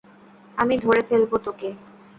আমি ধরে ফেলব তোকে।